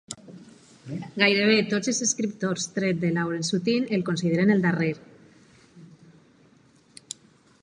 Gairebé tots els escriptors, tret de Lawrence Sutin, el consideren el darrer.